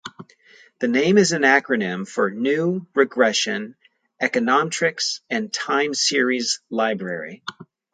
The name is an acronym for "G"nu "R"egression, "E"conometrics and "T"ime-series "L"ibrary.